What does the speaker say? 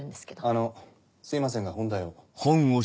あのすいませんが本題を。